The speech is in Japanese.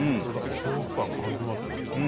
お豆腐感感じますよ。